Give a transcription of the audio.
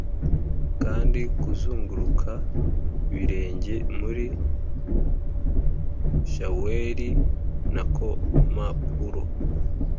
kandi, kuzunguruka-ibirenge muri shaweli no kumpapuro,